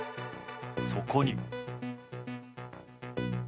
そこに。